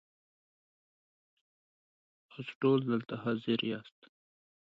ستاسو ټول دلته حاضر یاست .